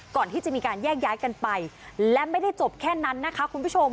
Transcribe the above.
ก่อนที่จะมีการแยกย้ายกันไปและไม่ได้จบแค่นั้นนะคะคุณผู้ชม